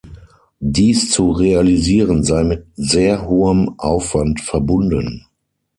Dies zu realisieren sei mit sehr hohem Aufwand verbunden.